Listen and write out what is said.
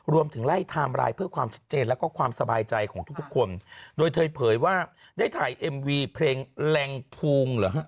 รวมถึงไล่ไทม์ไลน์เพื่อความชัดเจนแล้วก็ความสบายใจของทุกทุกคนโดยเธอเผยว่าได้ถ่ายเอ็มวีเพลงแรงภูมิเหรอฮะ